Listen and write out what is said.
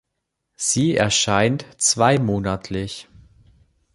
Sie erscheint zweimonatlich.